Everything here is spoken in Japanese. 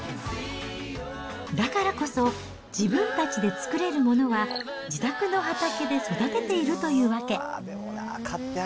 だからこそ、自分たちで作れるものは自宅の畑で育てているというわけ。